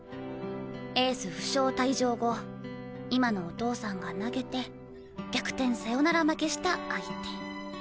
エース負傷退場後今のお父さんが投げて逆転サヨナラ負けした相手。